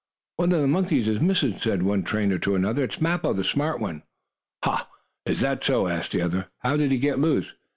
"One of the monkeys is missing," said one trainer to another. "It is Mappo, that smart one." "Ha! Is that so?" asked the other. "How did he get loose?"